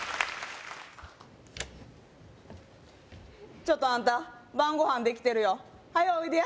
ちょっとあんた晩ご飯できてるよはよ